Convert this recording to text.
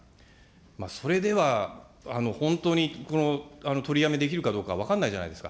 それでは本当に取りやめできるかどうか分かんないじゃないですか。